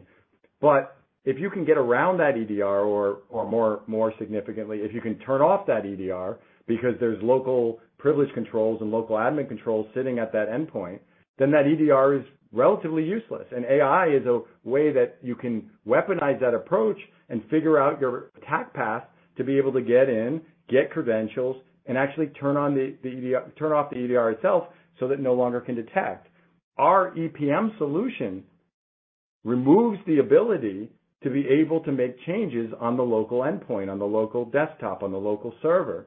If you can get around that EDR or more significantly, if you can turn off that EDR because there's local privilege controls and local admin controls sitting at that endpoint, then that EDR is relatively useless. AI is a way that you can weaponize that approach and figure out your attack path to be able to get in, get credentials, and actually turn off the EDR itself so that it no longer can detect. Our EPM solution removes the ability to be able to make changes on the local endpoint, on the local desktop, on the local server.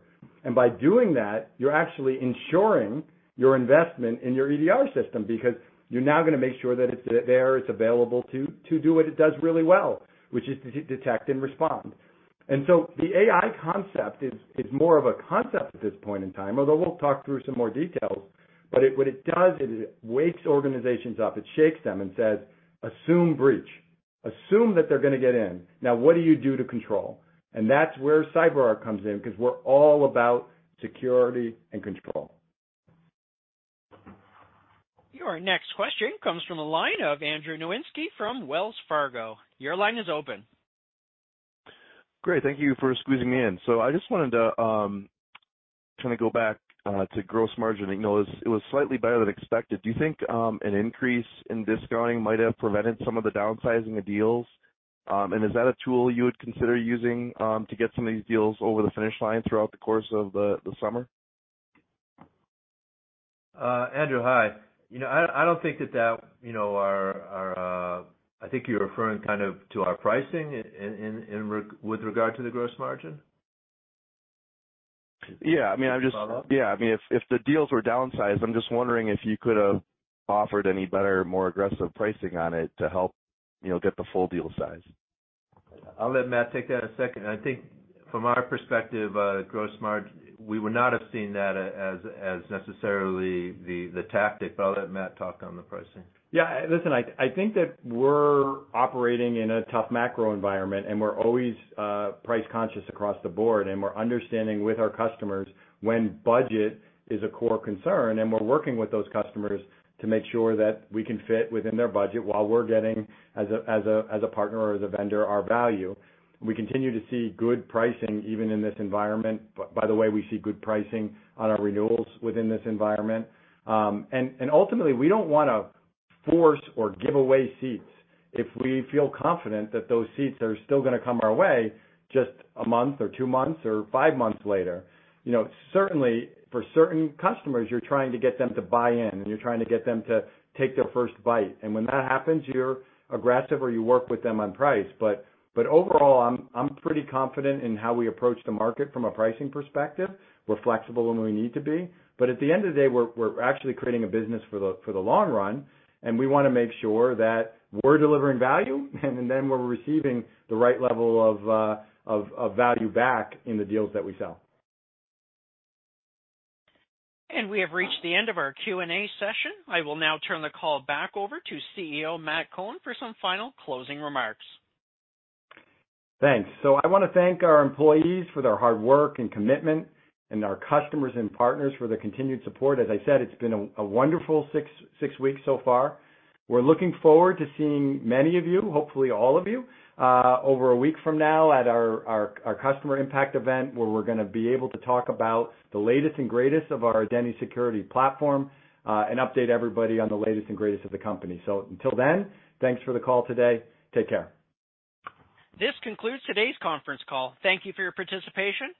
By doing that, you're actually ensuring your investment in your EDR system, because you're now gonna make sure that it's there, it's available to do what it does really well, which is to detect and respond. The AI concept is more of a concept at this point in time, although we'll talk through some more details. What it does is it wakes organizations up, it shakes them and says, "Assume breach. Assume that they're gonna get in. Now, what do you do to control?" That's where CyberArk comes in, 'cause we're all about security and control. Your next question comes from the line of Andrew Nowinski from Wells Fargo. Your line is open. Great. Thank you for squeezing me in. I just wanted to kinda go back to gross margin. I know it was slightly better than expected. Do you think an increase in discounting might have prevented some of the downsizing of deals? Is that a tool you would consider using to get some of these deals over the finish line throughout the course of the summer? Andrew, hi. You know, I don't think that that, you know, our... I think you're referring kind of to our pricing in, with regard to the gross margin? Yeah. I mean, if the deals were downsized, I'm just wondering if you could've offered any better, more aggressive pricing on it to help, you know, get the full deal size? I'll let Matt take that in a second. I think from our perspective, gross margin, we would not have seen that as necessarily the tactic. I'll let Matt talk on the pricing. Yeah. Listen, I think that we're operating in a tough macro environment. We're always price conscious across the board. We're understanding with our customers when budget is a core concern, and we're working with those customers to make sure that we can fit within their budget while we're getting as a partner or as a vendor, our value. We continue to see good pricing even in this environment. By the way, we see good pricing on our renewals within this environment. Ultimately, we don't wanna force or give away seats if we feel confident that those seats are still gonna come our way just a month or two months or five months later. You know, certainly for certain customers, you're trying to get them to buy in and you're trying to get them to take their first bite, and when that happens, you're aggressive or you work with them on price. Overall, I'm pretty confident in how we approach the market from a pricing perspective. We're flexible when we need to be, but at the end of the day, we're actually creating a business for the long run, and we wanna make sure that we're delivering value, and then we're receiving the right level of value back in the deals that we sell. We have reached the end of our Q&A session. I will now turn the call back over to CEO Matt Cohen for some final closing remarks. Thanks. I want to thank our employees for their hard work and commitment and our customers and partners for their continued support. As I said, it's been a wonderful six weeks so far. We're looking forward to seeing many of you, hopefully all of you, over a week from now at our customer Impact event, where we're going to be able to talk about the latest and greatest of our Identity Security Platform, and update everybody on the latest and greatest of the company. Until then, thanks for the call today. Take care. This concludes today's conference call. Thank you for your participation.